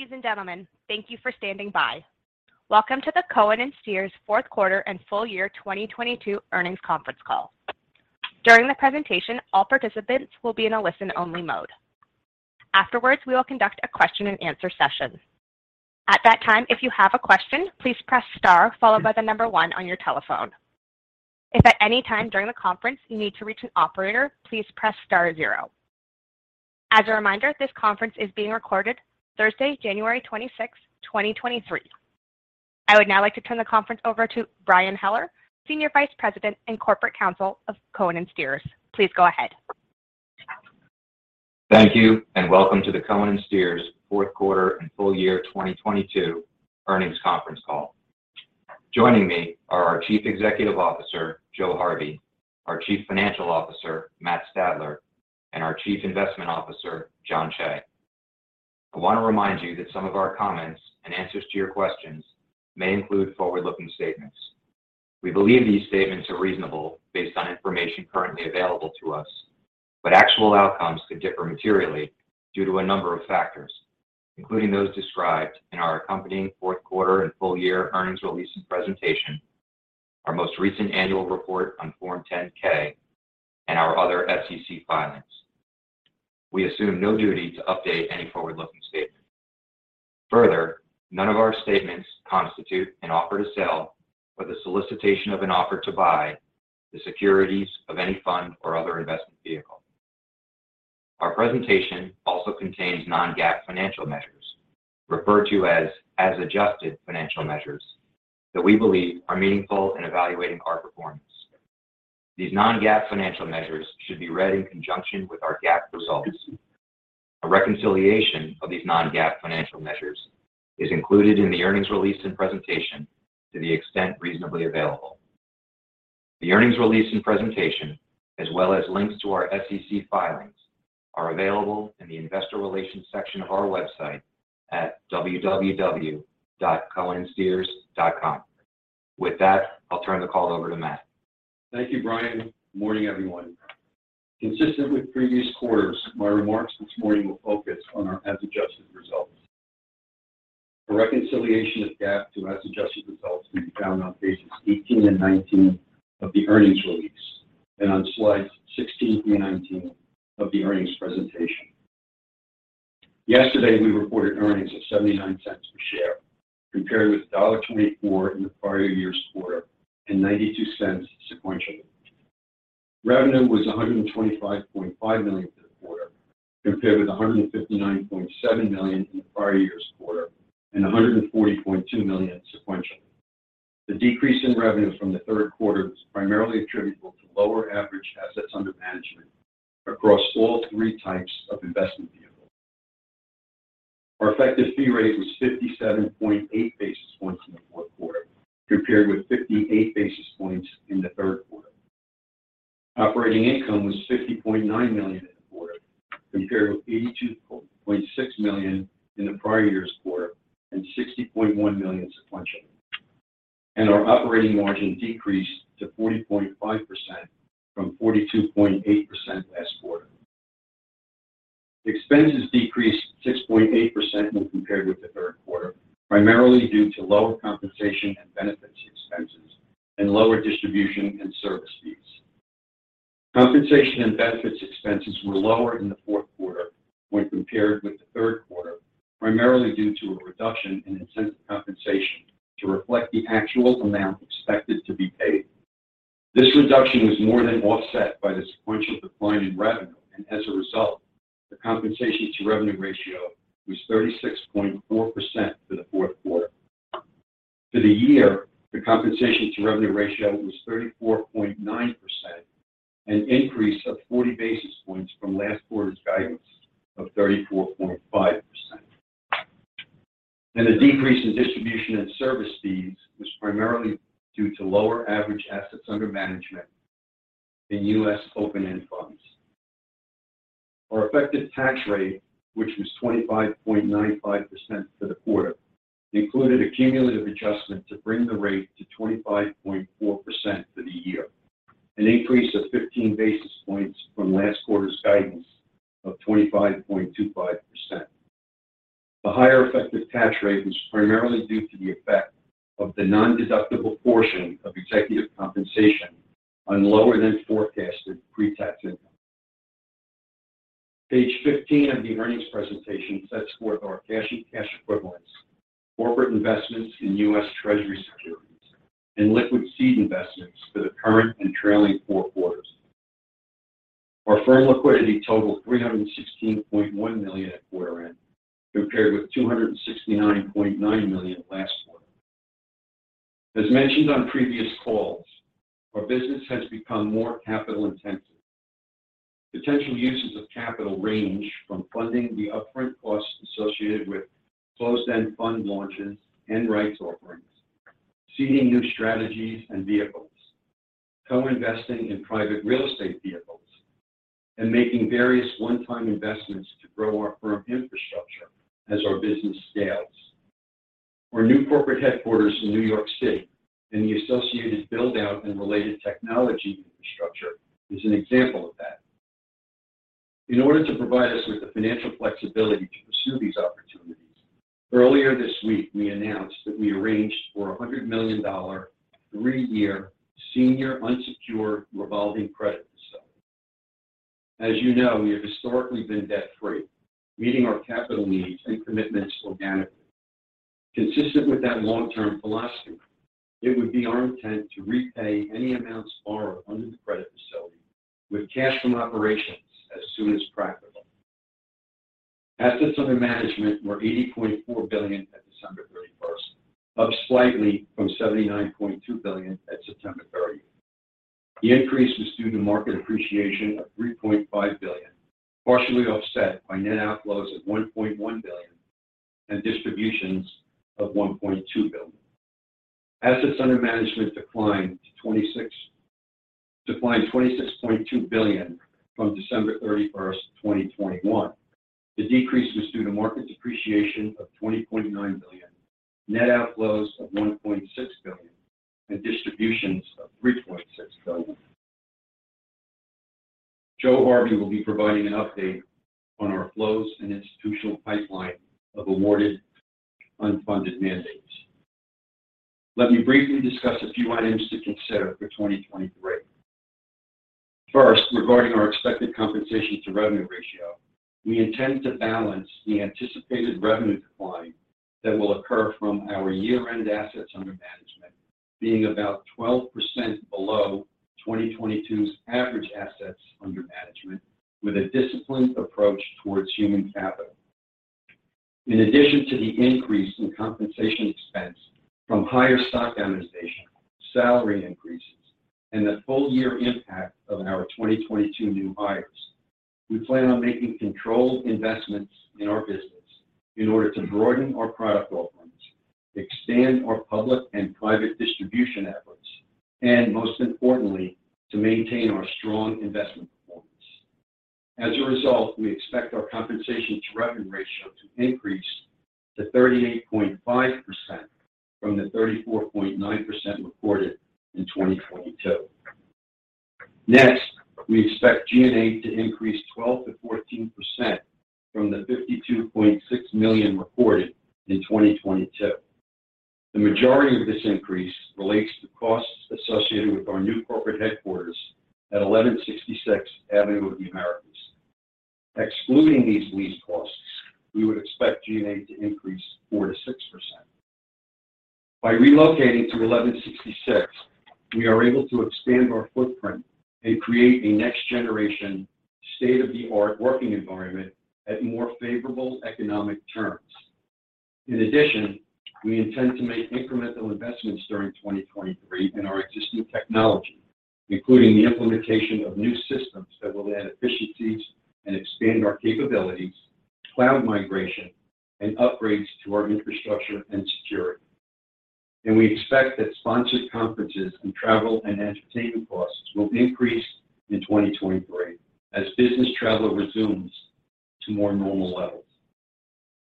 Ladies and gentlemen, thank you for standing by. Welcome to the Cohen & Steers fourth quarter and full year 2022 earnings conference call. During the presentation, all participants will be in a listen-only mode. Afterwards, we will conduct a question-and-answer session. At that time, if you have a question, please press star followed by the number one on your telephone. If at any time during the conference you need to reach an operator, please press star-zero. As a reminder, this conference is being recorded Thursday, January 26th, 2023. I would now like to turn the conference over to Brian Heller, Senior Vice President and Corporate Counsel of Cohen & Steers. Please go ahead. Thank you, and welcome to the Cohen & Steers fourth quarter and full year 2022 earnings conference call. Joining me are our Chief Executive Officer, Joe Harvey, our Chief Financial Officer, Matt Stadler, and our Chief Investment Officer, Jon Cheigh. I want to remind you that some of our comments and answers to your questions may include forward-looking statements. We believe these statements are reasonable based on information currently available to us, but actual outcomes could differ materially due to a number of factors, including those described in our accompanying fourth quarter and full year earnings release and presentation, our most recent annual report on Form 10-K, and our other SEC filings. We assume no duty to update any forward-looking statement. Further, none of our statements constitute an offer to sell or the solicitation of an offer to buy the securities of any fund or other investment vehicle. Our presentation also contains non-GAAP financial measures referred to as adjusted financial measures that we believe are meaningful in evaluating our performance. These non-GAAP financial measures should be read in conjunction with our GAAP results. A reconciliation of these non-GAAP financial measures is included in the earnings release and presentation to the extent reasonably available. The earnings release and presentation, as well as links to our SEC filings, are available in the Investor Relations section of our website at www.cohenandsteers.com. I'll turn the call over to Matt. Thank you, Brian. Morning, everyone. Consistent with previous quarters, my remarks this morning will focus on our as-adjusted results. A reconciliation of GAAP to as-adjusted results can be found on pages 18 and 19 of the earnings release and on slides 16 through 19 of the earnings presentation. Yesterday, we reported earnings of $0.79 per share, compared with $1.24 in the prior year's quarter and $0.92 sequentially. Revenue was $125.5 million for the quarter, compared with $159.7 million in the prior year's quarter and $140.2 million sequentially. The decrease in revenue from the third quarter was primarily attributable to lower average assets under management across all three types of investment vehicles. Our effective fee rate was 57.8 basis points in the fourth quarter, compared with 58 basis points in the third quarter. Operating income was $50.9 million in the quarter, compared with $82.6 million in the prior year's quarter and $60.1 million sequentially. Our operating margin decreased to 40.5% from 42.8% last quarter. Expenses decreased 6.8% when compared with the third quarter, primarily due to lower compensation and benefits expenses and lower distribution and service fees. Compensation and benefits expenses were lower in the fourth quarter when compared with the third quarter, primarily due to a reduction in incentive compensation to reflect the actual amount expected to be paid. This reduction was more than offset by the sequential decline in revenue, and as a result, the compensation-to-revenue ratio was 36.4% for the fourth quarter. For the year, the compensation-to-revenue ratio was 34.9%, an increase of 40 basis points from last quarter's guidance of 34.5%. The decrease in distribution and service fees was primarily due to lower average assets under management in U.S. open-end funds. Our effective tax rate, which was 25.95% for the quarter, included a cumulative adjustment to bring the rate to 25.4% for the year, an increase of 15 basis points from last quarter's guidance of 25.25%. The higher effective tax rate was primarily due to the effect of the nondeductible portion of executive compensation on lower than forecasted pre-tax income. Page 15 of the earnings presentation sets forth our cash and cash equivalents, corporate investments in U.S. Treasury securities, and liquid seed investments for the current and trailing four quarters. Our firm liquidity totaled $316.1 million at quarter end, compared with $269.9 million last quarter. As mentioned on previous calls, our business has become more capital-intensive. Potential uses of capital range from funding the upfront costs associated with closed-end fund launches and rights offerings, seeding new strategies and vehicles, co-investing in private real estate vehicles, and making various one-time investments to grow our firm infrastructure as our business scales. Our new corporate headquarters in New York City and the associated build-out and related technology infrastructure is an example of that. In order to provide us with the financial flexibility to pursue these opportunities, earlier this week, we announced that we arranged for a $100 million three-year senior unsecured revolving credit facility. As you know, we have historically been debt-free, meeting our capital needs and commitments organically. Consistent with that long-term philosophy, it would be our intent to repay any amounts borrowed under the credit facility with cash from operations as soon as practical. Assets under management were $80.4 billion at December 31st, up slightly from $79.2 billion at September 30. The increase was due to market appreciation of $3.5 billion, partially offset by net outflows of $1.1 billion and distributions of $1.2 billion. Assets under management declined $26.2 billion from December 31st, 2021. The decrease was due to market depreciation of $20.9 billion, net outflows of $1.6 billion, and distributions of $3.6 billion. Joe Harvey will be providing an update on our flows and institutional pipeline of awarded unfunded mandates. Let me briefly discuss a few items to consider for 2023. First, regarding our expected compensation to revenue ratio, we intend to balance the anticipated revenue decline that will occur from our year-end assets under management being about 12% below 2022's average assets under management with a disciplined approach towards human capital. In addition to the increase in compensation expense from higher stock amortization, salary increases, and the full-year impact of our 2022 new hires, we plan on making controlled investments in our business in order to broaden our product offerings, expand our public and private distribution efforts, and most importantly, to maintain our strong investment performance. As a result, we expect our compensation to revenue ratio to increase to 38.5% from the 34.9% reported in 2022. Next, we expect G&A to increase 12%-14% from the $52.6 million reported in 2022. The majority of this increase relates to costs associated with our new corporate headquarters at 1166 Avenue of the Americas. Excluding these lease costs, we would expect G&A to increase 4%-6%. By relocating to 1166 Avenue, we are able to expand our footprint and create a next-generation state-of-the-art working environment at more favorable economic terms. In addition, we intend to make incremental investments during 2023 in our existing technology, including the implementation of new systems that will add efficiencies and expand our capabilities, cloud migration, and upgrades to our infrastructure and security. We expect that sponsored conferences and travel and entertainment costs will increase in 2023 as business travel resumes to more normal levels.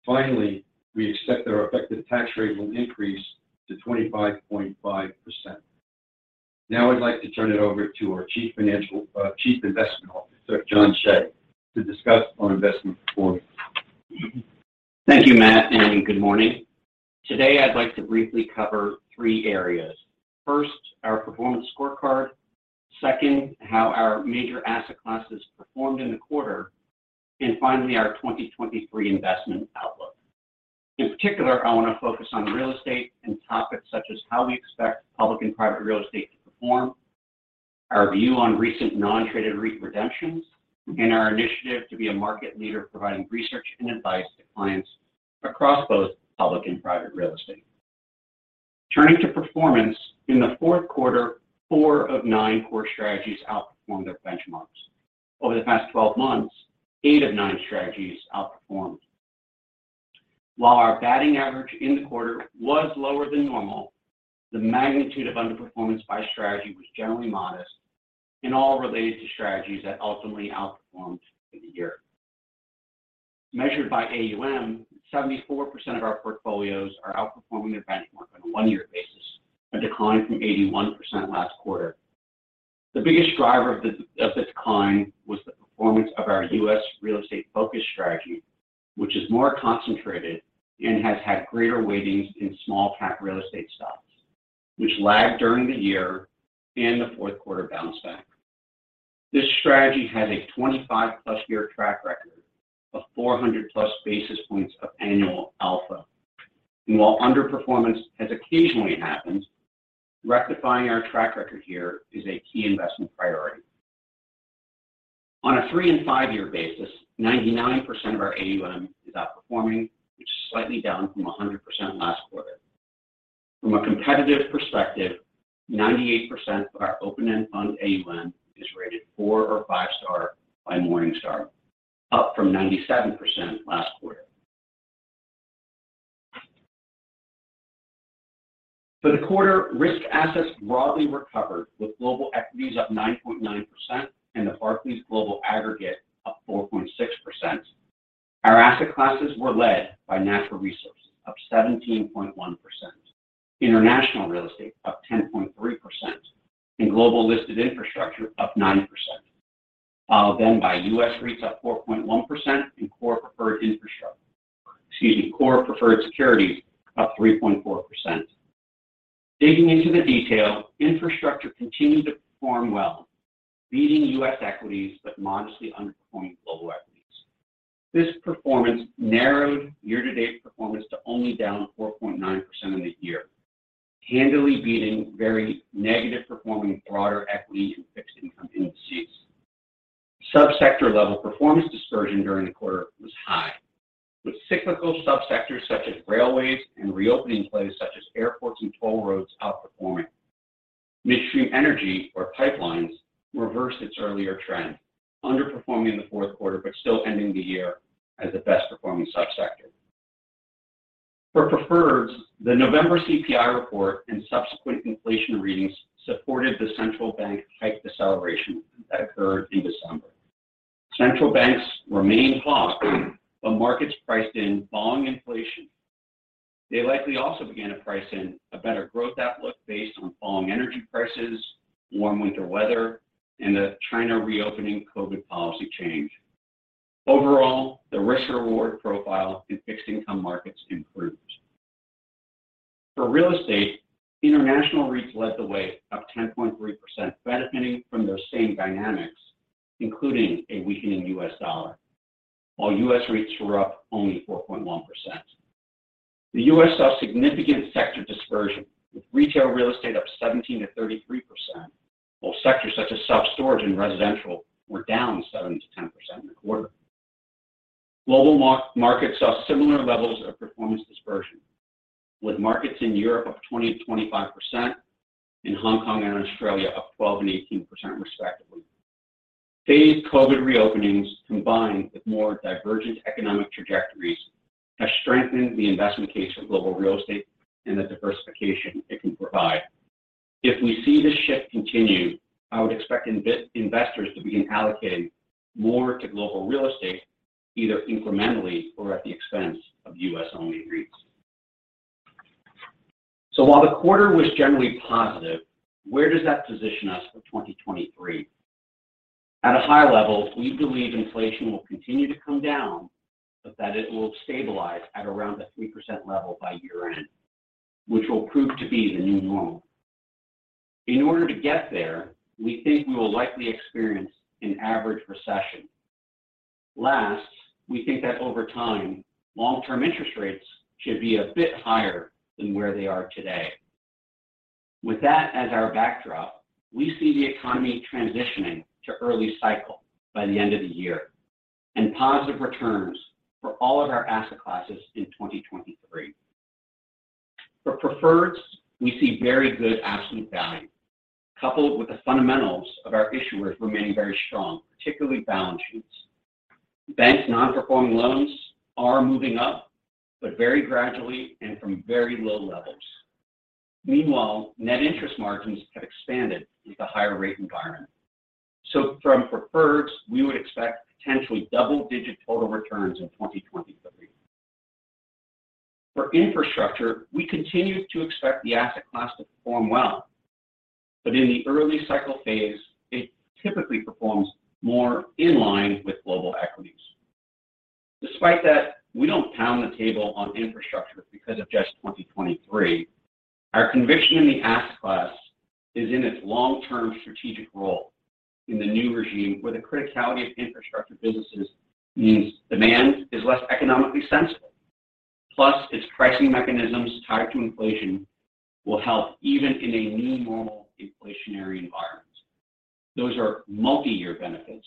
Finally, we expect our effective tax rate will increase to 25.5%. Now I'd like to turn it over to our Chief Investment Officer, Jon Cheigh, to discuss our investment performance. Thank you, Matt. Good morning. Today, I'd like to briefly cover three areas. First, our performance scorecard. Second, how our major asset classes performed in the quarter. Finally, our 2023 investment outlook. In particular, I want to focus on real estate and topics such as how we expect public and private real estate to perform, our view on recent non-traded REIT redemptions, and our initiative to be a market leader providing research and advice to clients across both public and private real estate. Turning to performance, in the fourth quarter, four of nine core strategies outperformed their benchmarks. Over the past 12 months, eight of nine strategies outperformed. While our batting average in the quarter was lower than normal, the magnitude of underperformance by strategy was generally modest and all related to strategies that ultimately outperformed for the year. Measured by AUM, 74% of our portfolios are outperforming their benchmark on a one-year basis, a decline from 81% last quarter. The biggest driver of the decline was the performance of our U.S. real estate focus strategy, which is more concentrated and has had greater weightings in small cap real estate stocks, which lagged during the year and the fourth quarter bounce back. This strategy has a 25-plus-year track record of 400+ basis points of annual alpha. While underperformance has occasionally happened, rectifying our track record here is a key investment priority. On a three and five-year basis, 99% of our AUM is outperforming, which is slightly down from 100% last quarter. From a competitive perspective, 98% of our open-end fund AUM is rated four or five star by Morningstar, up from 97% last quarter. For the quarter, risk assets broadly recovered with global equities up 9.9% and the Barclays Global Aggregate up 4.6%. Our asset classes were led by natural resources up 17.1%, international real estate up 10.3%, and global listed infrastructure up 9%, then by U.S. REITs up 4.1% and core preferred securities up 3.4%. Digging into the detail, infrastructure continued to perform well, beating U.S. equities but modestly underperforming global equities. This performance narrowed year-to-date performance to only down 4.9% on the year, handily beating very negative performing broader equity and fixed income indices. Sub-sector level performance dispersion during the quarter was high, with cyclical sub-sectors such as railways and reopening plays such as airports and toll roads outperforming. Midstream energy or pipelines reversed its earlier trend, underperforming in the fourth quarter, but still ending the year as the best performing sub-sector. For preferreds, the November CPI report and subsequent inflation readings supported the central bank hike deceleration that occurred in December. Central banks remained hawkish, but markets priced in falling inflation. They likely also began to price in a better growth outlook based on falling energy prices, warm winter weather, and the China reopening COVID policy change. Overall, the risk-reward profile in fixed income markets improved. For real estate, international REITs led the way up 10.3%, benefiting from those same dynamics, including a weakening U.S. dollar, while U.S. REITs were up only 4.1%. The U.S. saw significant sector dispersion, with retail real estate up 17%-33%, while sectors such as self-storage and residential were down 7%-10% in the quarter. Global markets saw similar levels of performance dispersion, with markets in Europe up 20%-25% and Hong Kong and Australia up 12% and 18% respectively. Phased COVID reopenings combined with more divergent economic trajectories have strengthened the investment case for global real estate and the diversification it can provide. If we see this shift continue, I would expect investors to begin allocating more to global real estate, either incrementally or at the expense of U.S.-only REITs. While the quarter was generally positive, where does that position us for 2023? At a high level, we believe inflation will continue to come down, but that it will stabilize at around the 3% level by year-end, which will prove to be the new normal. In order to get there, we think we will likely experience an average recession. Last, we think that over time, long-term interest rates should be a bit higher than where they are today. With that as our backdrop, we see the economy transitioning to early cycle by the end of the year and positive returns for all of our asset classes in 2023. For preferreds, we see very good absolute value, coupled with the fundamentals of our issuers remaining very strong, particularly balance sheets. Bank non-performing loans are moving up, but very gradually and from very low levels. Meanwhile, net interest margins have expanded with the higher rate environment. From preferreds, we would expect potentially double-digit total returns in 2023. For infrastructure, we continue to expect the asset class to perform well. In the early cycle phase, it typically performs more in line with global equities. Despite that, we don't pound the table on infrastructure because of just 2023. Our conviction in the asset class is in its long-term strategic role in the new regime where the criticality of infrastructure businesses means demand is less economically sensitive. Plus, its pricing mechanisms tied to inflation will help even in a new normal inflationary environment. Those are multi-year benefits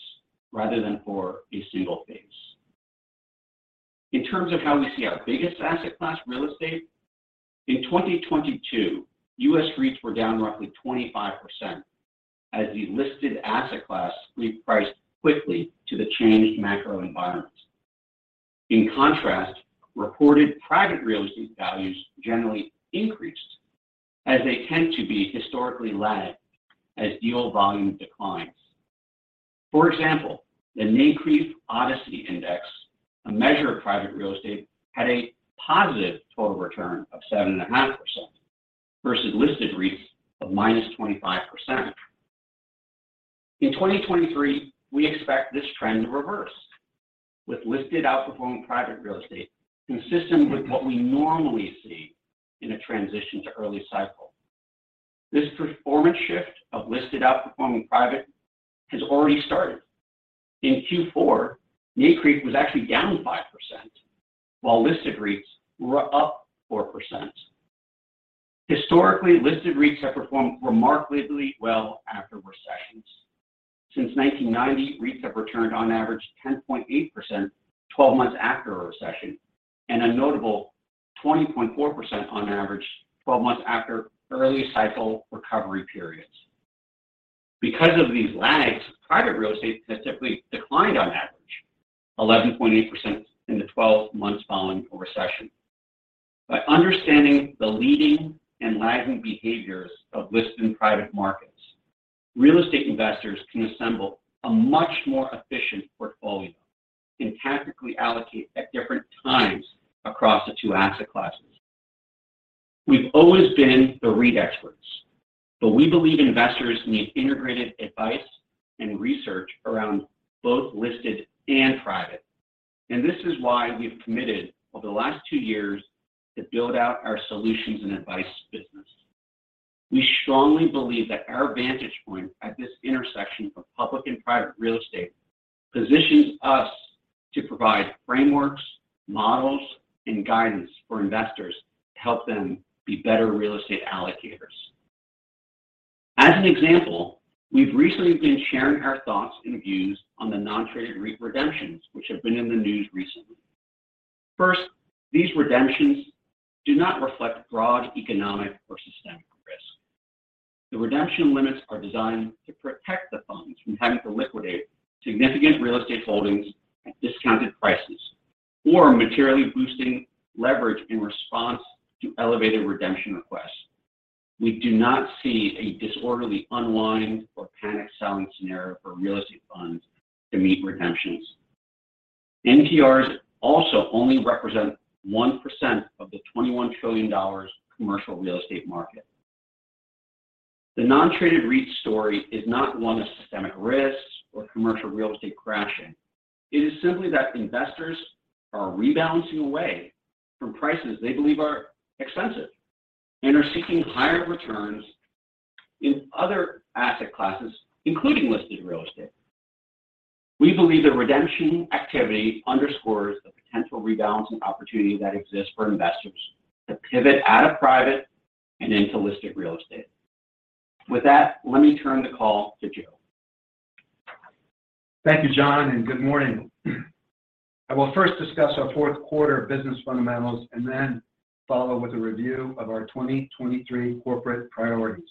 rather than for a single phase. In terms of how we see our biggest asset class, real estate, in 2022, U.S. REITs were down roughly 25% as the listed asset class repriced quickly to the changed macro environment. In contrast, reported private real estate values generally increased as they tend to be historically lag as deal volume declines. For example, the NCREIF ODCE Index, a measure of private real estate, had a positive total return of 7.5% versus listed REITs of -25%. In 2023, we expect this trend to reverse, with listed outperforming private real estate consistent with what we normally see in a transition to early cycle. This performance shift of listed outperforming private has already started. In Q4, NCREIF was actually down 5%, while listed REITs were up 4%. Historically, listed REITs have performed remarkably well after recessions. Since 1990, REITs have returned on average 10.8% 12 months after a recession and a notable 20.4% on average 12 months after early cycle recovery periods. Because of these lags, private real estate has typically declined on average 11.8% in the 12 months following a recession. By understanding the leading and lagging behaviors of listed and private markets, real estate investors can assemble a much more efficient portfolio and tactically allocate at different times across the two asset classes. We've always been the REIT experts, but we believe investors need integrated advice and research around both listed and private. This is why we've committed over the last two years to build out our solutions and advice business. We strongly believe that our vantage point at this intersection of public and private real estate positions us to provide frameworks, models, and guidance for investors to help them be better real estate allocators. As an example, we've recently been sharing our thoughts and views on the non-traded REIT redemptions, which have been in the news recently. First, these redemptions do not reflect broad economic or systemic risk. The redemption limits are designed to protect the funds from having to liquidate significant real estate holdings at discounted prices or materially boosting leverage in response to elevated redemption requests. We do not see a disorderly unwind or panic selling scenario for real estate funds to meet redemptions. NTRs also only represent 1% of the $21 trillion commercial real estate market. The non-traded REIT story is not one of systemic risks or commercial real estate crashing. It is simply that investors are rebalancing away from prices they believe are expensive and are seeking higher returns in other asset classes, including listed real estate. We believe the redemption activity underscores the potential rebalancing opportunity that exists for investors to pivot out of private and into listed real estate. With that, let me turn the call to Joe. Thank you, John, and good morning. I will first discuss our fourth quarter business fundamentals and then follow with a review of our 2023 corporate priorities.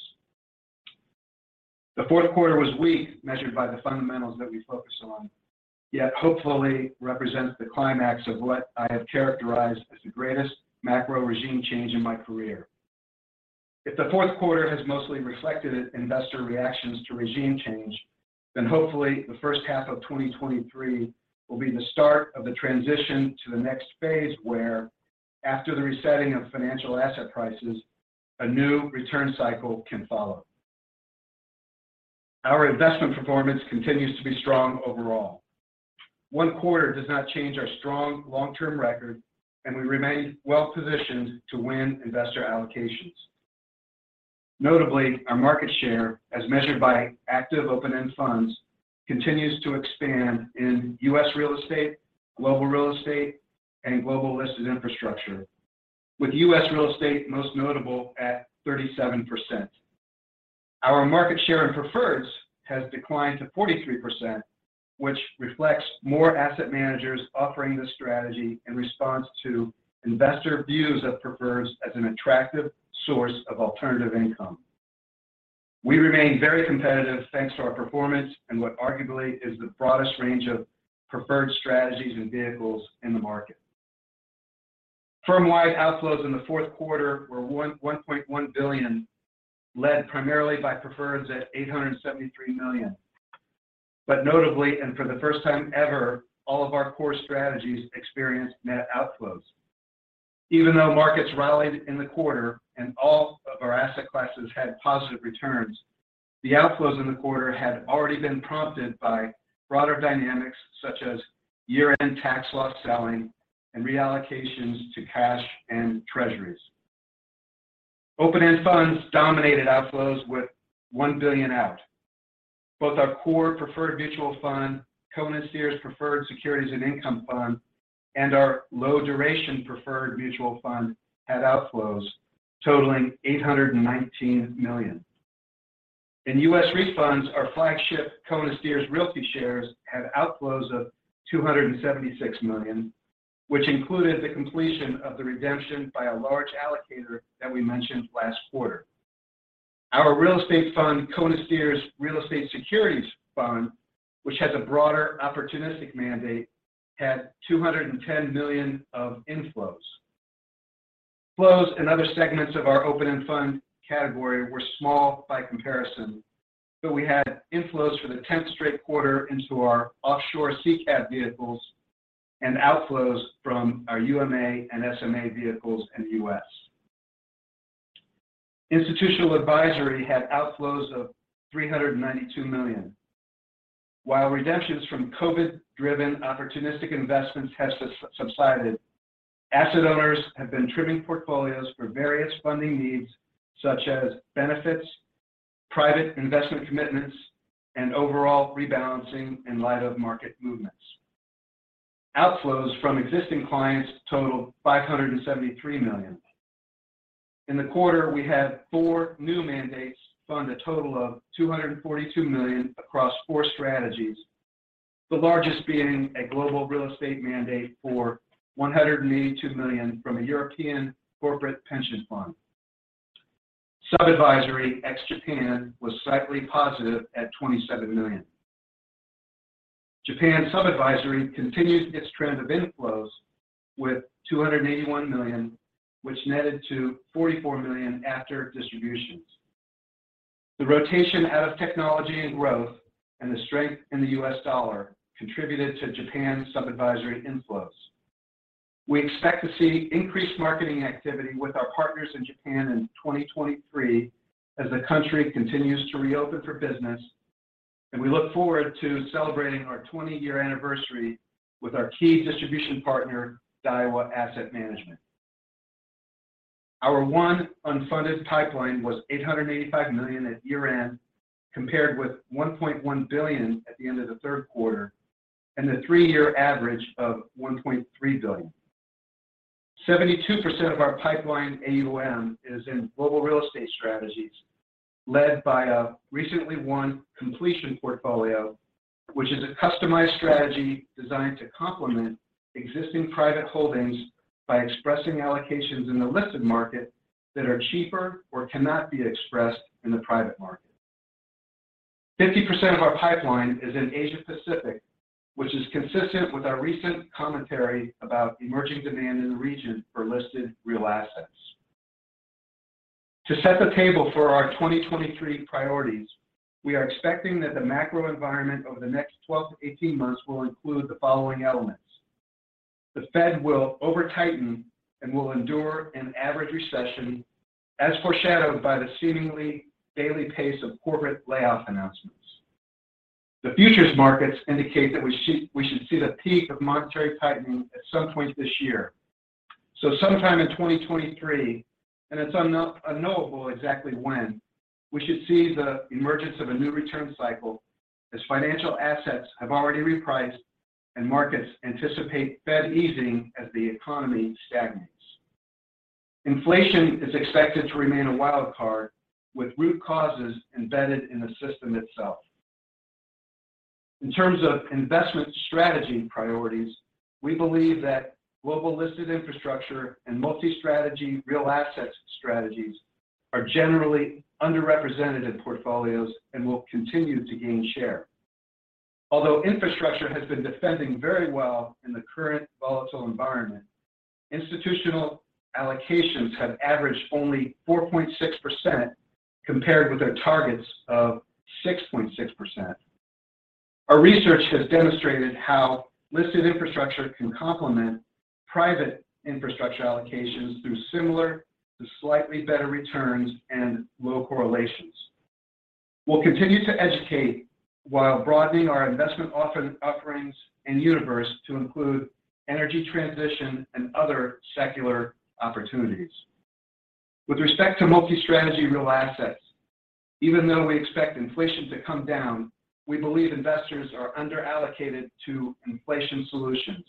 The fourth quarter was weak, measured by the fundamentals that we focus on, yet hopefully represents the climax of what I have characterized as the greatest macro regime change in my career. If the fourth quarter has mostly reflected investor reactions to regime change, then hopefully the first half of 2023 will be the start of the transition to the next phase where after the resetting of financial asset prices, a new return cycle can follow. Our investment performance continues to be strong overall. One quarter does not change our strong long-term record, and we remain well-positioned to win investor allocations. Notably, our market share, as measured by active open-end funds, continues to expand in U.S. real estate, global real estate, and global listed infrastructure, with U.S. real estate most notable at 37%. Our market share in preferreds has declined to 43%, which reflects more asset managers offering this strategy in response to investor views of preferreds as an attractive source of alternative income. We remain very competitive thanks to our performance and what arguably is the broadest range of preferred strategies and vehicles in the market. Firm-wide outflows in the fourth quarter were $1.1 billion, led primarily by preferreds at $873 million. Notably, and for the first time ever, all of our core strategies experienced net outflows. Markets rallied in the quarter and all of our asset classes had positive returns, the outflows in the quarter had already been prompted by broader dynamics such as year-end tax loss selling and reallocations to cash and treasuries. Open-end funds dominated outflows with $1 billion out. Both our core preferred mutual fund, Cohen & Steers Preferred Securities and Income Fund, and our low duration preferred mutual fund had outflows totaling $819 million. In U.S. REIT funds, our flagship Cohen & Steers Realty Shares had outflows of $276 million, which included the completion of the redemption by a large allocator that we mentioned last quarter. Our real estate fund, Cohen & Steers Real Estate Securities Fund, which has a broader opportunistic mandate, had $210 million of inflows. Flows in other segments of our open-end fund category were small by comparison, but we had inflows for the tenth straight quarter into our offshore SICAV vehicles and outflows from our UMA and SMA vehicles in the U.S. Institutional Advisory had outflows of $392 million. While redemptions from COVID-driven opportunistic investments have subsided, asset owners have been trimming portfolios for various funding needs such as benefits, private investment commitments, and overall rebalancing in light of market movements. Outflows from existing clients totaled $573 million. In the quarter, we had four new mandates fund a total of $242 million across four strategies. The largest being a global real estate mandate for $182 million from a European corporate pension fund. Sub-advisory ex-Japan was slightly positive at $27 million. Japan sub-advisory continues its trend of inflows with $281 million, which netted to $44 million after distributions. The rotation out of technology and growth and the strength in the U.S. dollar contributed to Japan sub-advisory inflows. We expect to see increased marketing activity with our partners in Japan in 2023 as the country continues to reopen for business. We look forward to celebrating our 20-year anniversary with our key distribution partner, Daiwa Asset Management. Our one unfunded pipeline was $885 million at year-end, compared with $1.1 billion at the end of the third quarter, and the three-year average of $1.3 billion. 72% of our pipeline AUM is in global real estate strategies, led by a recently won completion portfolio, which is a customized strategy designed to complement existing private holdings by expressing allocations in the listed market that are cheaper or cannot be expressed in the private market. 50% of our pipeline is in Asia-Pacific, which is consistent with our recent commentary about emerging demand in the region for listed real assets. To set the table for our 2023 priorities, we are expecting that the macro environment over the next 12-18 months will include the following elements. The Fed will over-tighten and will endure an average recession, as foreshadowed by the seemingly daily pace of corporate layoff announcements. The futures markets indicate that we should see the peak of monetary tightening at some point this year. Sometime in 2023, and it's unknowable exactly when, we should see the emergence of a new return cycle as financial assets have already repriced and markets anticipate Fed easing as the economy stagnates. Inflation is expected to remain a wild card with root causes embedded in the system itself. In terms of investment strategy priorities, we believe that global listed infrastructure and multi-strategy real assets strategies are generally underrepresented in portfolios and will continue to gain share. Although infrastructure has been defending very well in the current volatile environment, institutional allocations have averaged only 4.6% compared with their targets of 6.6%. Our research has demonstrated how listed infrastructure can complement private infrastructure allocations through similar to slightly better returns and low correlations. We'll continue to educate while broadening our investment offerings and universe to include energy transition and other secular opportunities. With respect to multi-strategy real assets, even though we expect inflation to come down, we believe investors are under-allocated to inflation solutions.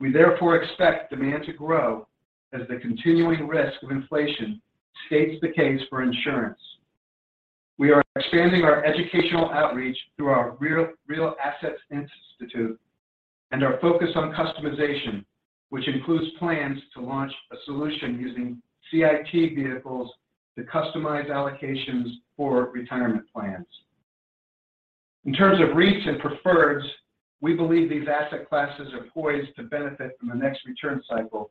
We therefore expect demand to grow as the continuing risk of inflation states the case for insurance. We are expanding our educational outreach through our Real Assets Institute and our focus on customization, which includes plans to launch a solution using CIT vehicles to customize allocations for retirement plans. In terms of REITs and preferreds, we believe these asset classes are poised to benefit from the next return cycle,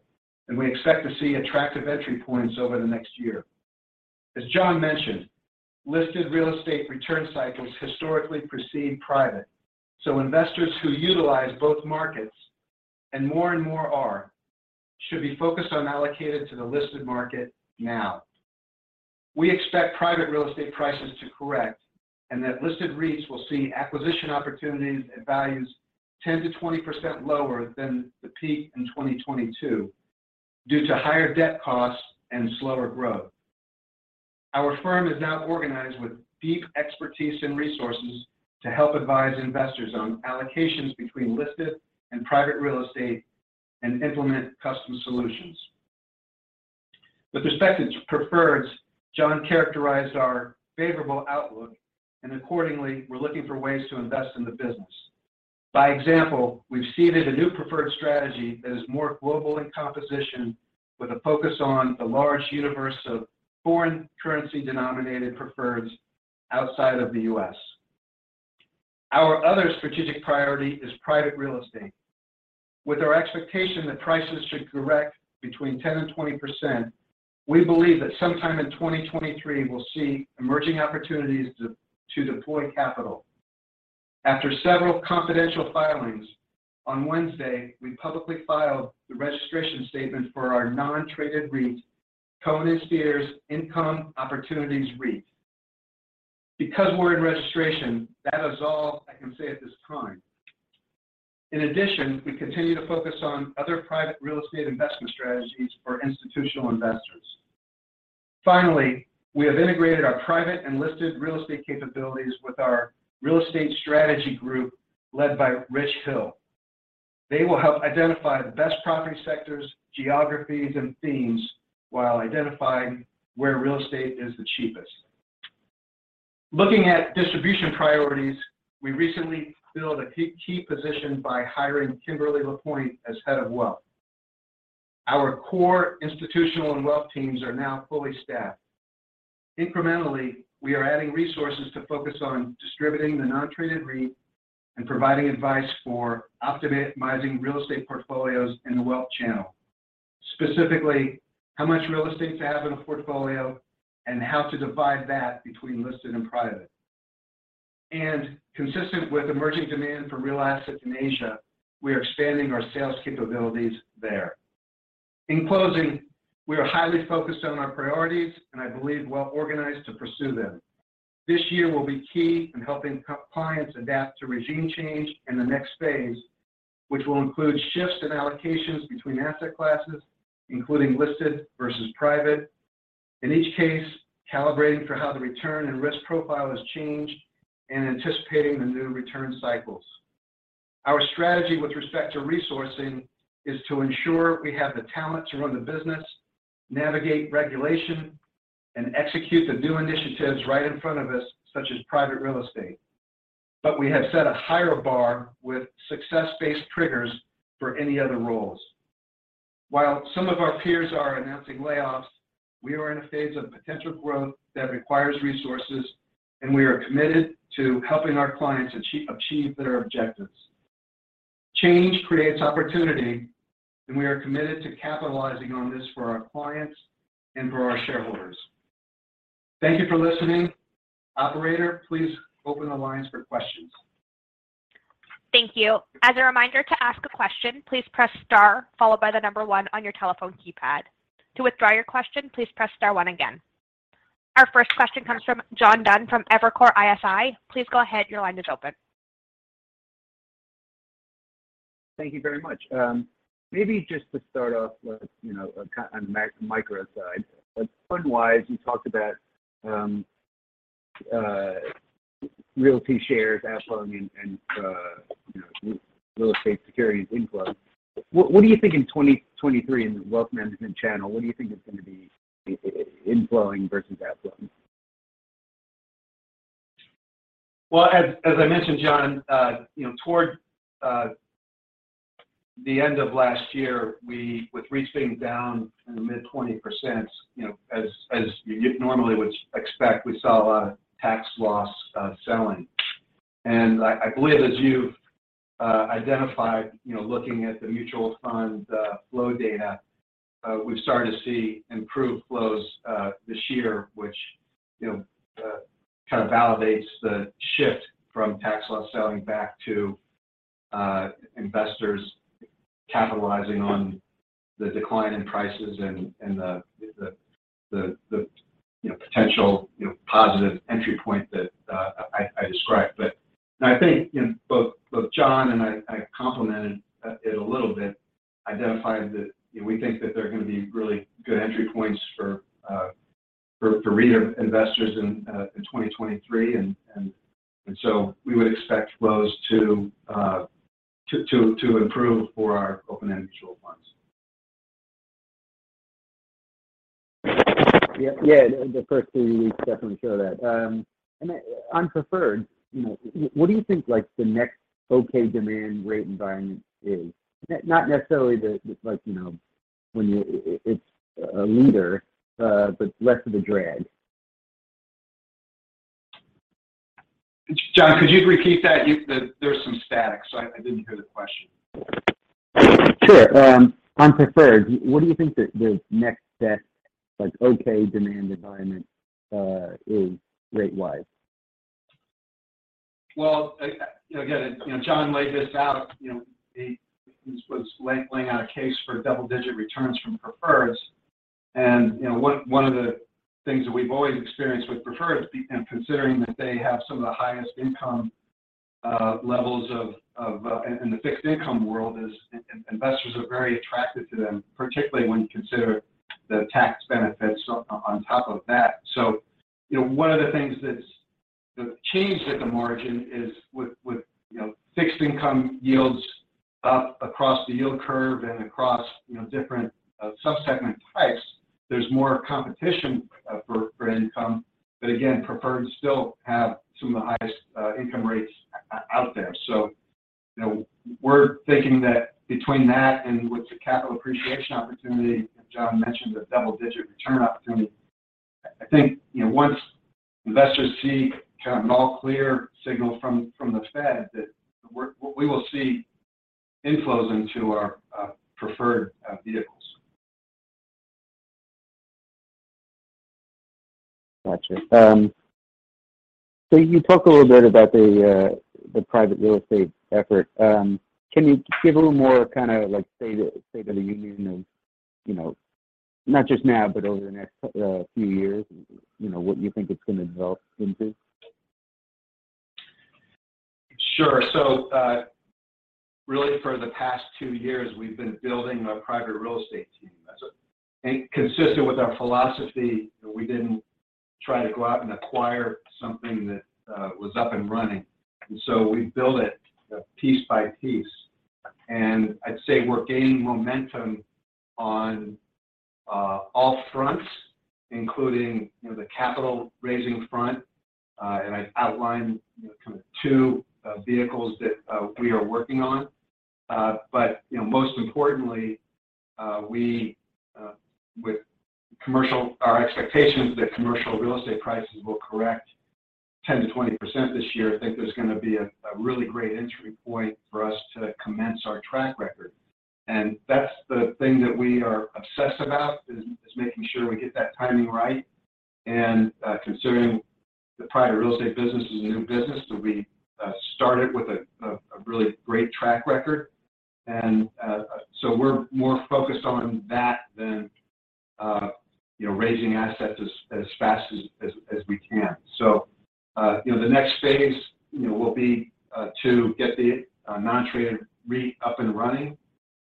we expect to see attractive entry points over the next year. As John mentioned, listed real estate return cycles historically precede private. Investors who utilize both markets, and more and more are, should be focused on allocated to the listed market now. We expect private real estate prices to correct, and that listed REITs will see acquisition opportunities at values 10%-20% lower than the peak in 2022 due to higher debt costs and slower growth. Our firm is now organized with deep expertise and resources to help advise investors on allocations between listed and private real estate and implement custom solutions. With respect to preferreds, Jon Cheigh characterized our favorable outlook, and accordingly, we're looking for ways to invest in the business. By example, we've seeded a new preferred strategy that is more global in composition with a focus on the large universe of foreign currency-denominated preferreds outside of the U.S. Our other strategic priority is private real estate. With our expectation that prices should correct between 10% and 20%, we believe that sometime in 2023 we'll see emerging opportunities to deploy capital. After several confidential filings, on Wednesday, we publicly filed the registration statement for our non-traded REIT, Cohen & Steers Income Opportunities REIT. We're in registration, that is all I can say at this time. In addition, we continue to focus on other private real estate investment strategies for institutional investors. Finally, we have integrated our private and listed real estate capabilities with our real estate strategy group led by Rich Hill. They will help identify the best property sectors, geographies, and themes while identifying where real estate is the cheapest. Looking at distribution priorities, we recently filled a key position by hiring Kimberly LaPointe as Head of Wealth. Our core institutional and wealth teams are now fully staffed. Incrementally, we are adding resources to focus on distributing the non-traded REIT and providing advice for optimizing real estate portfolios in the wealth channel. Specifically, how much real estate to have in a portfolio and how to divide that between listed and private. Consistent with emerging demand for real assets in Asia, we are expanding our sales capabilities there. In closing, we are highly focused on our priorities, and I believe well-organized to pursue them. This year will be key in helping clients adapt to regime change in the next phase, which will include shifts in allocations between asset classes, including listed versus private. In each case, calibrating for how the return and risk profile has changed and anticipating the new return cycles. Our strategy with respect to resourcing is to ensure we have the talent to run the business, navigate regulation, and execute the new initiatives right in front of us, such as private real estate. We have set a higher bar with success-based triggers for any other roles. While some of our peers are announcing layoffs, we are in a phase of potential growth that requires resources, and we are committed to helping our clients achieve their objectives. Change creates opportunity, and we are committed to capitalizing on this for our clients and for our shareholders. Thank you for listening. Operator, please open the lines for questions. Thank you. As a reminder to ask a question, please press star followed by the number one on your telephone keypad. To withdraw your question, please press star-one again. Our first question comes from John Dunn from Evercore ISI. Please go ahead. Your line is open. Thank you very much. maybe just to start off with, you know, a micro side. Fund-wise, you talked about, Realty Shares out flowing and, you know, Real Estate Securities inflow. What do you think in 2023 in the wealth management channel, what do you think is going to be inflowing versus outflowing? Well, as I mentioned, John, you know, toward the end of last year, with REITs being down in the mid 20%, you know, as you normally would expect, we saw a lot of tax loss selling. I believe as you've identified, you know, looking at the mutual fund flow data, we've started to see improved flows this year, which, you know, kind of validates the shift from tax loss selling back to investors capitalizing on the decline in prices and the potential, you know, positive entry point that I described. I think both Jon and I complimented it a little bit, identified that we think that they're going to be really good entry points for REIT investors in 2023. We would expect flows to improve for our open-end mutual funds. Yeah. Yeah. The first two weeks definitely show that. On preferred, you know, what do you think, like, the next okay demand rate environment is? Not necessarily the, like, you know, when it's a leader, but less of a drag. John, could you repeat that? There was some static, I didn't hear the question. Sure. On preferred, what do you think the next best, like, okay demand environment is rate-wise? Well, again, you know, Jon laid this out. You know, he was laying out a case for double-digit returns from preferreds. You know, one of the things that we've always experienced with preferreds, and considering that they have some of the highest income levels in the fixed income world is investors are very attracted to them, particularly when you consider the tax benefits on top of that. You know, one of the things that's changed at the margin is with, you know, fixed income yields up across the yield curve and across, you know, different sub-segment types, there's more competition for income. Again, preferreds still have some of the highest income rates out there. You know, we're thinking that between that and with the capital appreciation opportunity, Jon mentioned the double-digit return opportunity. I think, you know, once investors see kind of an all clear signal from the Fed that we will see inflows into our preferred vehicles. Got you. You talked a little bit about the private real estate effort. Can you give a little more kind of like state of the union of, you know, not just now, but over the next few years, you know, what you think it's going to develop into? Sure. Really for the past two years, we've been building a private real estate team. Consistent with our philosophy, we didn't try to go out and acquire something that was up and running. We built it piece by piece. I'd say we're gaining momentum on all fronts, including, you know, the capital raising front. I outlined kind of two vehicles that we are working on. You know, most importantly, our expectations that commercial real estate prices will correct 10%-20% this year, I think there's going to be a really great entry point for us to commence our track record. That's the thing that we are obsessed about is making sure we get that timing right. Considering the private real estate business is a new business, we started with a really great track record. We're more focused on that than, you know, raising assets as fast as we can. You know, the next phase, you know, will be to get the non-traded REIT up and running.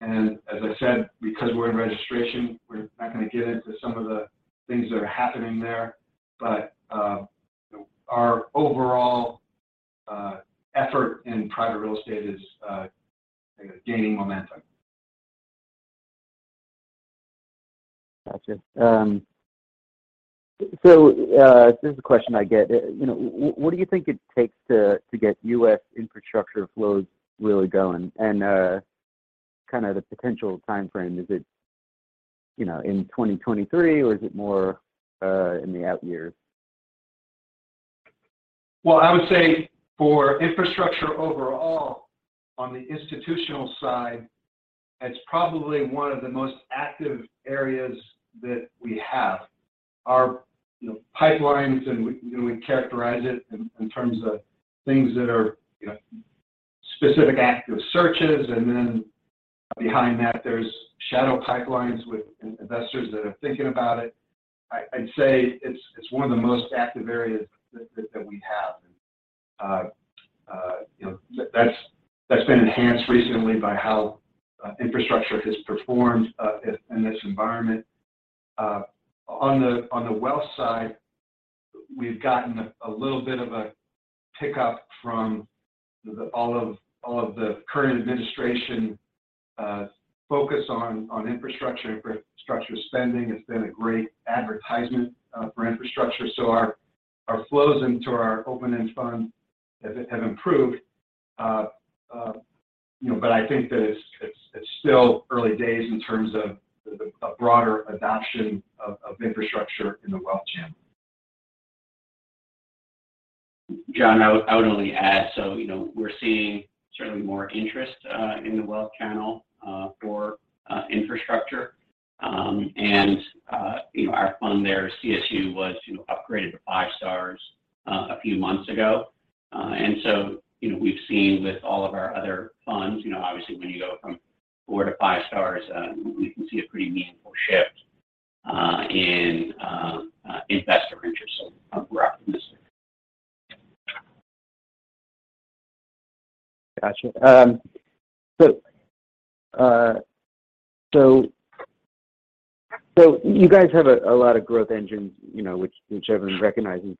As I said, because we're in registration, we're not going to get into some of the things that are happening there. Our overall effort in private real estate is gaining momentum. Got you. This is a question I get. You know, what do you think it takes to get U.S. infrastructure flows really going? Kind of the potential time frame, is it, you know, in 2023, or is it more in the out years? Well, I would say for infrastructure overall, on the institutional side, it's probably one of the most active areas that we have. Our, you know, pipelines, and we, you know, we characterize it in terms of things that are, you know, specific active searches, and then behind that, there's shadow pipelines with investors that are thinking about it. I'd say it's one of the most active areas that we have. You know, that's been enhanced recently by how infrastructure has performed in this environment. On the wealth side, we've gotten a little bit of a pickup from all of the current administration focus on infrastructure. Infrastructure spending has been a great advertisement for infrastructure. Our flows into our open-end funds have improved. You know, I think that it's still early days in terms of the, a broader adoption of infrastructure in the wealth channel. John, I would only add, you know, we're seeing certainly more interest in the wealth channel for infrastructure. You know, our fund there, CSUAX, was, you know, upgraded to five stars a few months ago. You know, we've seen with all of our other funds, you know, obviously when you go from four to five stars, we can see a pretty meaningful shift in investor interest. We're optimistic. Got y. You guys have a lot of growth engines, you know, which everyone recognizes.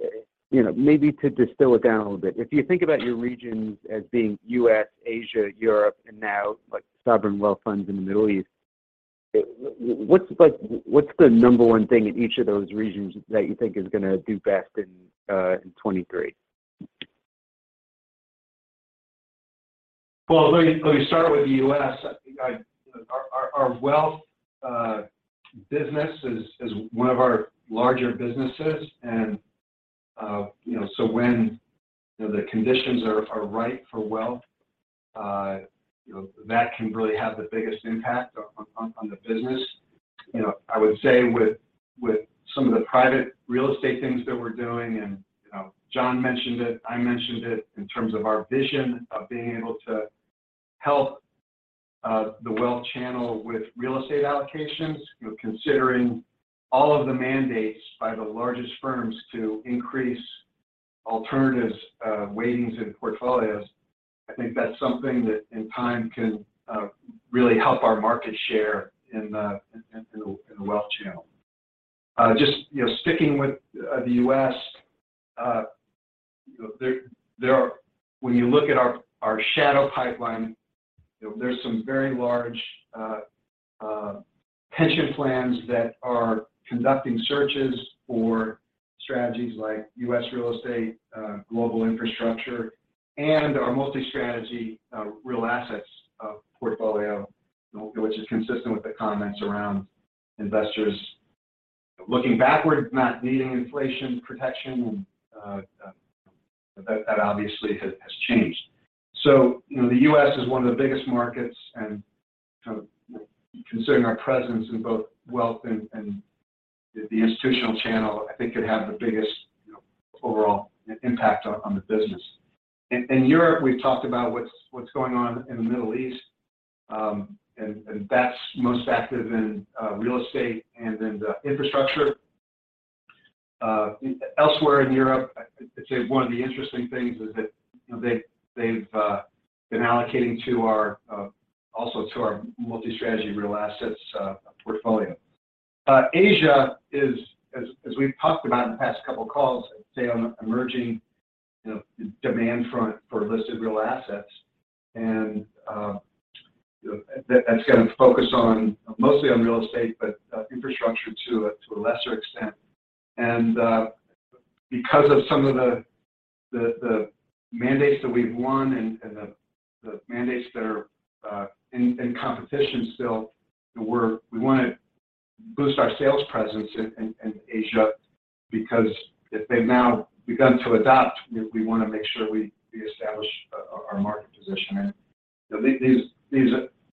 You know, maybe to distill it down a little bit, if you think about your regions as being U.S., Asia, Europe, and now like sovereign wealth funds in the Middle East, what's the number one thing in each of those regions that you think is going to do best in 2023? Well, let me start with the U.S. I think our wealth business is one of our larger businesses. You know, when, you know, the conditions are right for wealth, you know, that can really have the biggest impact on the business. You know, I would say with some of the private real estate things that we're doing, you know, Jon mentioned it, I mentioned it in terms of our vision of being able to help the wealth channel with real estate allocations. You know, considering all of the mandates by the largest firms to increase alternatives weightings in portfolios, I think that's something that in time can really help our market share in the wealth channel. Just, you know, sticking with the U.S., you know, when you look at our shadow pipeline, you know, there's some very large pension plans that are conducting searches for strategies like U.S. real estate, global infrastructure, and our multi-strategy real assets portfolio, which is consistent with the comments around investors looking backward, not needing inflation protection. That obviously has changed. You know, the U.S. is one of the biggest markets, and sort of considering our presence in both wealth and the institutional channel, I think could have the biggest, you know, overall impact on the business. In Europe, we've talked about what's going on in the Middle East. That's most active in real estate and in the infrastructure. Elsewhere in Europe, it's one of the interesting things is that, you know, they've been allocating to our also to our multi-strategy real assets portfolio. Asia is as we've talked about in the past couple of calls, say on emerging, you know, demand front for listed real assets. That's going to focus on mostly on real estate, but infrastructure to a lesser extent. Because of some of the mandates that we've won and the mandates that are in competition still, we want to boost our sales presence in Asia, because if they've now begun to adopt, we want to make sure we establish our market position.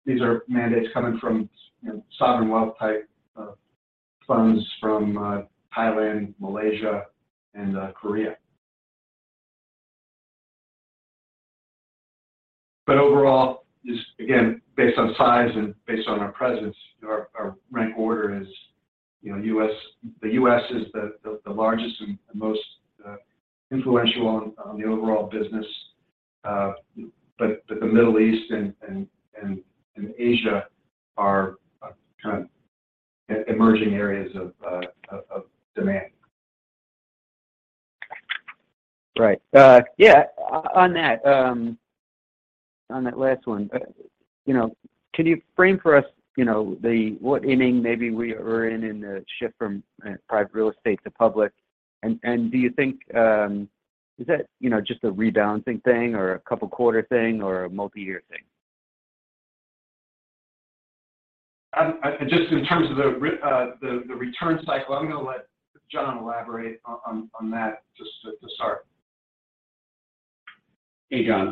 These are mandates coming from, you know, sovereign wealth type funds from Thailand, Malaysia, and Korea. Overall, just again, based on size and based on our presence, our rank order is, you know, U.S. The U.S. is the largest and most influential on the overall business. The Middle East and Asia are kind of emerging areas of demand. Right. Yeah, on that, on that last one, you know, can you frame for us, you know, the what inning maybe we are in the shift from private real estate to public? Is that, you know, just a rebalancing thing or a couple quarter thing or a multi-year thing? Just in terms of the return cycle, I'm going to let Jon elaborate on that just to start. Hey, John.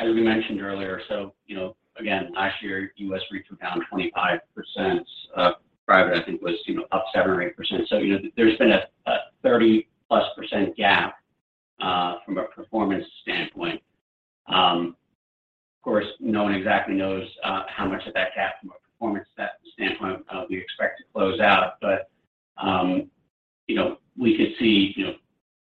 As we mentioned earlier, you know, again, last year, U.S. REITs were down 25%. Private, I think, was, you know, up 7% or 8%. You know, there's been a 30%+ gap from a performance standpoint. Of course, no one exactly knows how much of that gap from a performance standpoint we expect to close out. You know, we could see, you know,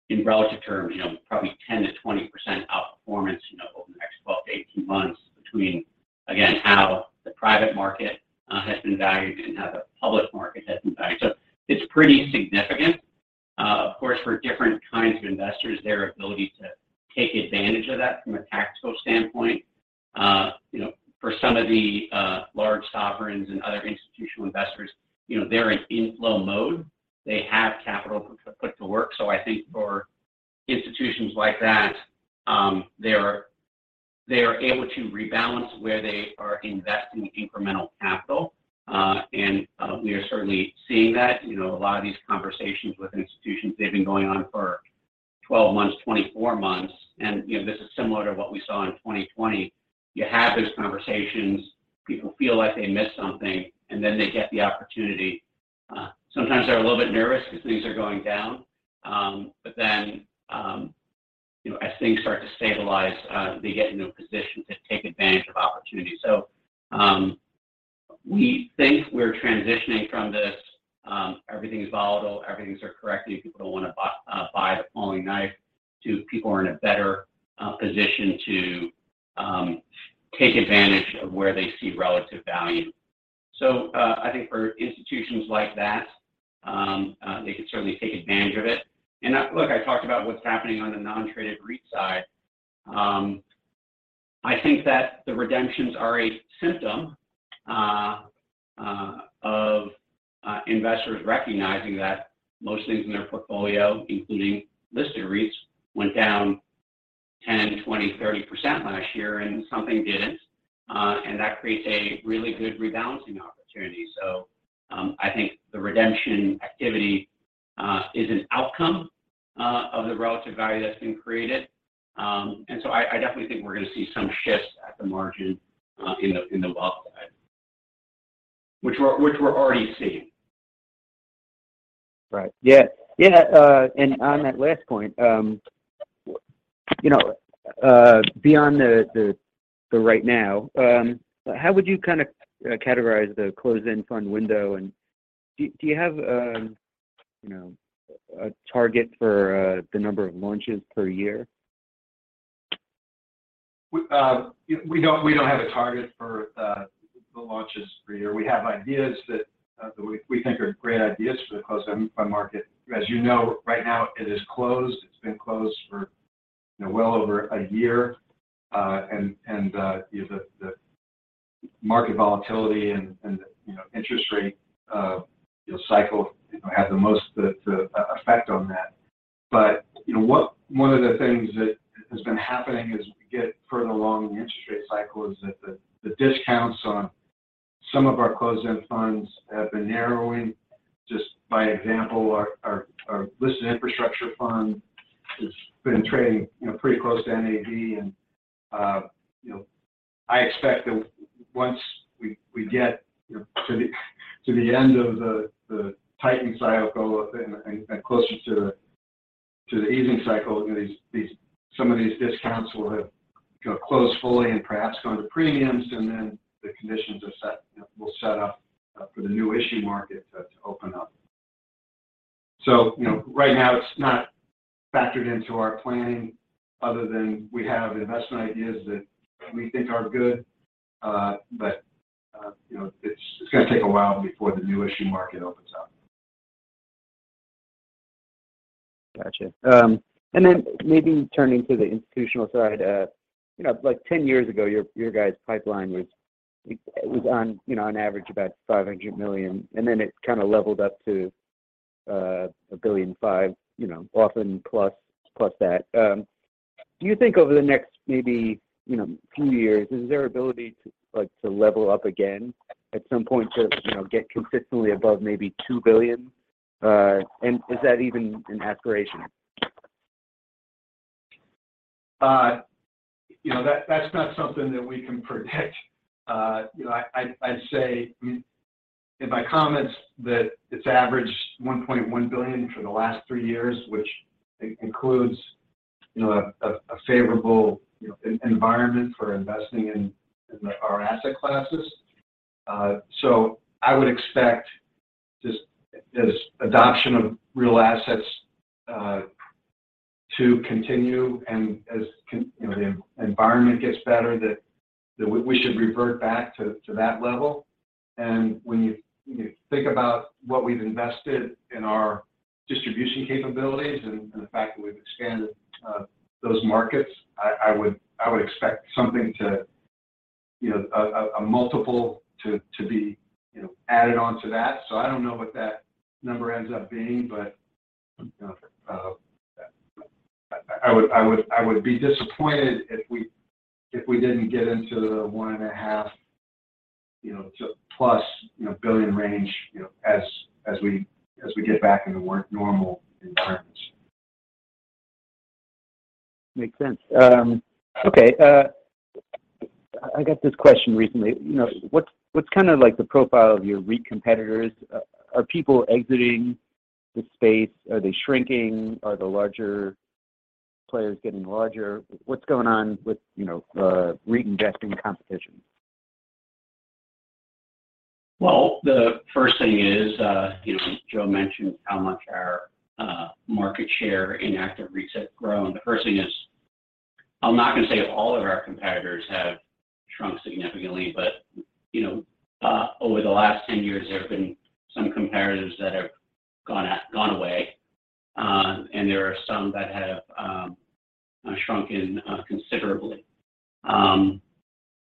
in relative terms, you know, probably 10%-20% outperformance, you know, over the next 12-18 months between, again, how the private market has been valued and how the public market has been valued. It's pretty significant. Of course, for different kinds of investors, their ability to take advantage of that from a tactical standpoint. You know, for some of the large sovereigns and other institutional investors, you know, they're in inflow mode. They have capital to put to work. I think for institutions like that, they're able to rebalance where they are investing incremental capital. We are certainly seeing that. You know, a lot of these conversations with institutions, they've been going on for 12 months, 24 months. You know, this is similar to what we saw in 2020. You have those conversations, people feel like they missed something, and then they get the opportunity. Sometimes they're a little bit nervous because things are going down. You know, as things start to stabilize, they get into a position to take advantage of opportunities. We think we're transitioning from this. Everything is volatile, everything's are correctly. People don't want to buy the falling knife to people are in a better position to take advantage of where they see relative value. I think for institutions like that, they can certainly take advantage of it. Look, I talked about what's happening on the non-traded REIT side. I think that the redemptions are a symptom of investors recognizing that most things in their portfolio, including listed REITs, went down 10%, 20%, 30% last year, and some things didn't. That creates a really good rebalancing opportunity. I think the redemption activity is an outcome of the relative value that's been created. I definitely think we're going to see some shifts at the margin in the wealth side, which we're already seeing. Right. Yeah. On that last point, you know, beyond the right now, how would you kind of categorize the closed-end fund window? Do you have, you know, a target for the number of launches per year? We don't have a target for the launches per year. We have ideas that we think are great ideas for the closed-end fund market. As you know, right now it is closed. It's been closed for, you know, well over a year. You know, the market volatility and, you know, interest rate cycle, you know, had the most effect on that. You know, one of the things that has been happening as we get further along in the interest rate cycle is that the discounts on some of our closed-end funds have been narrowing. Just by example, our listed infrastructure fund has been trading, you know, pretty close to NAV. You know, I expect that once we get to the end of the tightening cycle and closer to the easing cycle, some of these discounts will have closed fully and perhaps gone to premiums, and then the conditions are set, you know, will set up for the new issue market to open up. You know, right now it's not factored into our planning other than we have investment ideas that we think are good. You know, it's going to take a while before the new issue market opens up. Got you. Then maybe turning to the institutional side, you know, like 10 years ago, your guys' pipeline was on, you know, on average about $500 million, and then it kind of leveled up to $1.5 billion, you know, often plus that. Do you think over the next maybe, you know, few years, is there ability to level up again at some point to, you know, get consistently above maybe $2 billion? Is that even an aspiration? You know, that's not something that we can predict. You know, I'd say in my comments that it's averaged $1.1 billion for the last three years, which includes, you know, a favorable environment for investing in our asset classes. I would expect this adoption of real assets to continue and as you know, the environment gets better that we should revert back to that level. When you think about what we've invested in our distribution capabilities and the fact that we've expanded those markets, I would expect something, you know, a multiple to be, you know, added on to that. I don't know what that number ends up being, but, you know, I would be disappointed if we didn't get into the $1.5 billion, you know, to plus, you know range, you know, as we get back into more normal environments. Makes sense. Okay. I got this question recently. You know, what's kind of like the profile of your REIT competitors? Are people exiting the space? Are they shrinking? Are the larger players getting larger? What's going on with, you know, REIT investing competition? Well, the first thing is, you know, Joe mentioned how much our market share in active REITs have grown. The first thing is, I'm not going to say if all of our competitors have shrunk significantly, but, you know, over the last 10 years, there have been some competitors that have gone away, and there are some that have shrunk in considerably.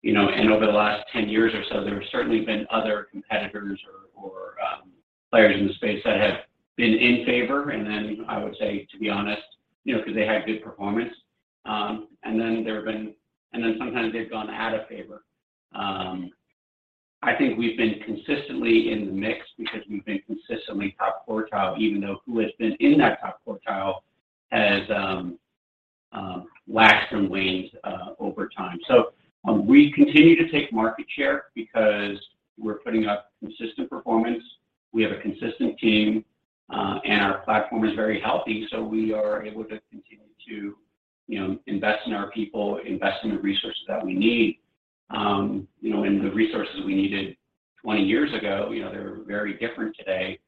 You know, and over the last 10 years or so, there have certainly been other competitors or, players in the space that have been in favor. I would say, to be honest, you know, because they had good performance, and then sometimes they've gone out of favor. I think we've been consistently in the mix because we've been consistently top quartile, even though who has been in that top quartile has waxed and waned over time. We continue to take market share because we're putting up consistent performance. We have a consistent team, and our platform is very healthy. We are able to continue to, you know, invest in our people, invest in the resources that we need. You know, and the resources we needed 20 years ago, you know, they're very different today.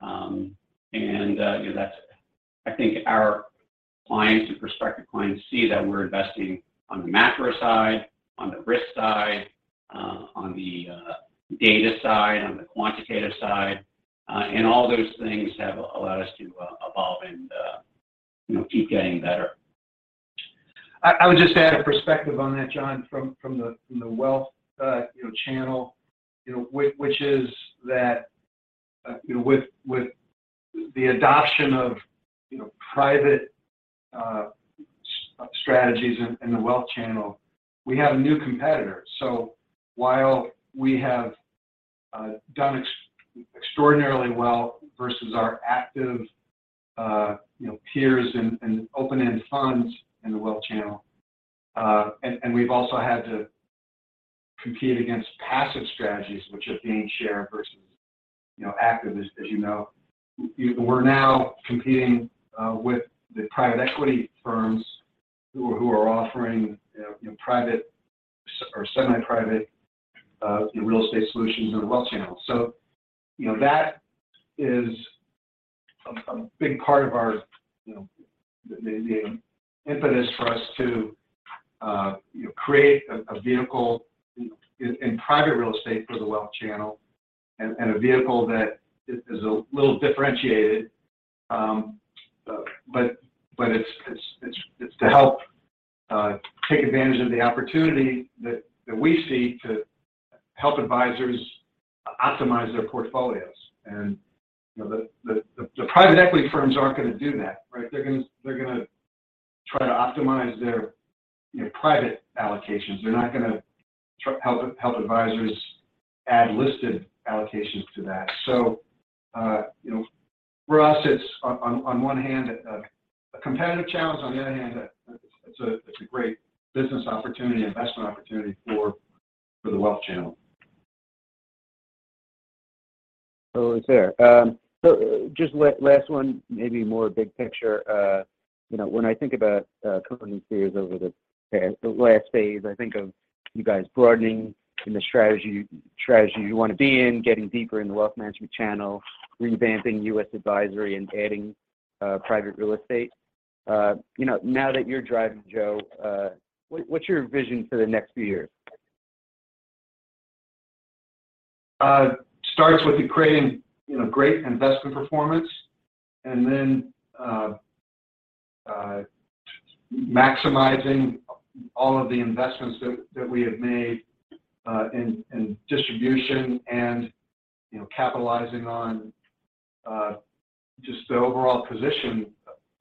I think our clients and prospective clients see that we're investing on the macro side, on the risk side, on the data side, on the quantitative side. All those things have allowed us to evolve and, you know, keep getting better. I would just add a perspective on that, John, from the wealth, you know, channel, which is that, you know, with the adoption of, you know, private strategies in the wealth channel, we have a new competitor. While we have done extraordinarily well versus our active, you know, peers in open-end funds in the wealth channel, and we've also had to compete against passive strategies which have gained share versus, you know, active, as you know. We're now competing with the private equity firms who are offering, you know, private or semi-private real estate solutions in the wealth channel. You know, that is a big part of our, you know, the impetus for us to create a vehicle in private real estate for the wealth channel and a vehicle that is a little differentiated. It's to help take advantage of the opportunity that we see to help advisors optimize their portfolios. You know, the private equity firms aren't going to do that, right? They're going to try to optimize their, you know, private allocations. They're not going to help advisors add listed allocations to that. You know, for us, it's on one hand a competitive challenge, on the other hand, it's a great business opportunity, investment opportunity for the wealth channel. Oh, it's there. Just last one, maybe more big picture. you know, when I think about Cohen & Steers over the last phase, I think of you guys broadening in the strategy you want to be in, getting deeper in the wealth management channel, revamping U.S. advisory, and adding private real estate. you know, now that you're driving, Joe, what's your vision for the next few years? It starts with creating, you know, great investment performance and then maximizing all of the investments that we have made in distribution and, you know, capitalizing on just the overall position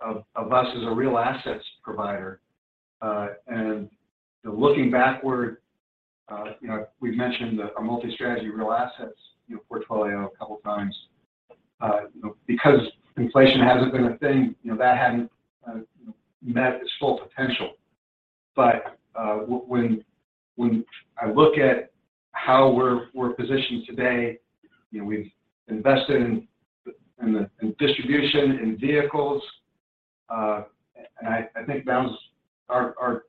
of us as a real assets provider. Looking backward, you know, we've mentioned our multi-strategy real assets, you know, portfolio a couple times. You know, because inflation hasn't been a thing, you know, that hadn't met its full potential. When I look at how we're positioned today, you know, we've invested in the distribution, in vehicles. I think now's our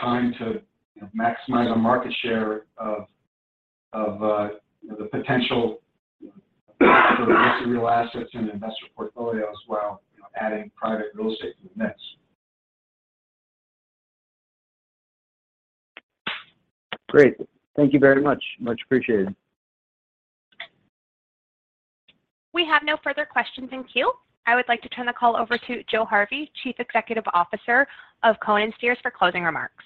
time to, you know, maximize our market share of, you know, the potential for real assets in investor portfolios while, you know, adding private real estate to the mix. Great. Thank you very much. Much appreciated. We have no further questions in queue. I would like to turn the call over to Joe Harvey, Chief Executive Officer of Cohen & Steers, for closing remarks.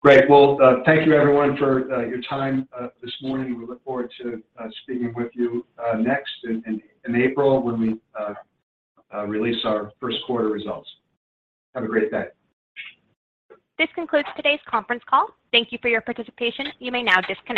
Great. Well, thank you everyone for your time this morning. We look forward to speaking with you next in April when we release our first quarter results. Have a great day. This concludes today's conference call. Thank you for your participation. You may now disconnect.